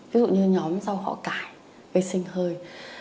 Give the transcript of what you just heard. ví dụ như nhóm rau họ cải vi sinh hơi